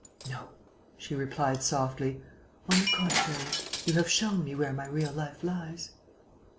"No," she replied, softly. "On the contrary, you have shown me where my real life lies."